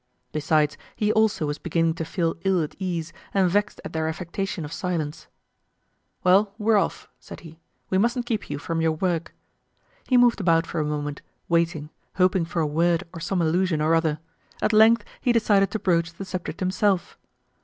Besides, he also was beginning to feel ill at ease and vexed at their affectation of silence. "Well, we're off," said he. "We mustn't keep you from your work." He moved about for a moment, waiting, hoping for a word or some allusion or other. At length he decided to broach the subject himself.